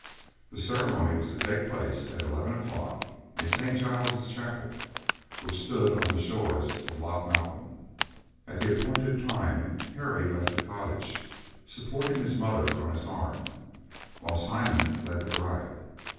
The ceremony was to take place at eleven o'clock, in St. Giles's chapel, which stood on the shores of Loch Malcolm. At the appointed time, Harry left the cottage, supporting his mother on his arm, while Simon led the bride.